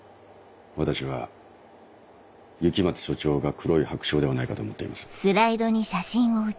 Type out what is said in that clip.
私は雪松署長が黒い白鳥ではないかと思っています。